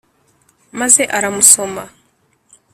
Maze aramusoma